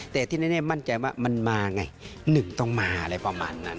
แต่ที่แน่มั่นใจว่ามันมาไงหนึ่งต้องมาอะไรประมาณนั้น